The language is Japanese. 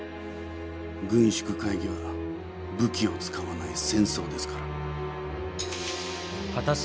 軍縮会議は武器を使わない戦争ですから。